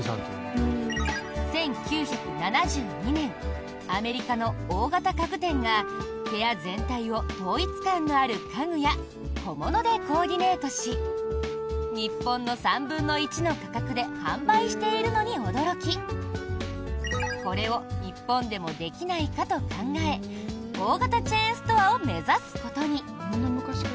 １９７２年アメリカの大型家具店が部屋全体を統一感のある家具や小物でコーディネートし日本の３分の１の価格で販売しているのに驚きこれを日本でもできないかと考え大型チェーンストアを目指すことに。